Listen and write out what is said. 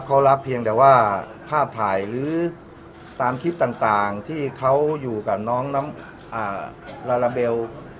เขารับเพียงแต่ว่าภาพถ่ายหรือตามคลิปต่างที่เขาอยู่กับน้องลาลาเบล